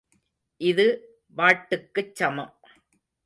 இது வாட்டுக்குச் சமம்.